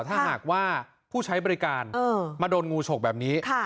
ถ้าหากว่าผู้ใช้บริการมาโดนงูฉกแบบนี้